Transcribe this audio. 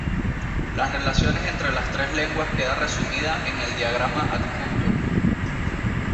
Las relaciones entre las tres lenguas queda resumida en el diagrama adjunto.